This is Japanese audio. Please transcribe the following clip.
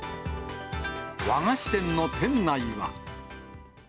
和菓子店の店内は。